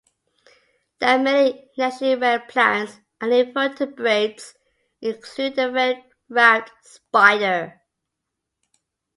There are many nationally rare plants and invertebrates, including the fen raft spider.